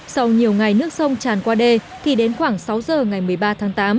sau nhiều ngày nước sông tràn qua đê thì đến khoảng sáu giờ ngày một mươi ba tháng tám